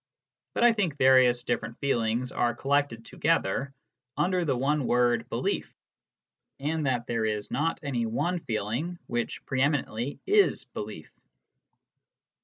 But I think various different feelings are collected together under the one word " belief," and that there is not any one feeling which pre eminently is belief.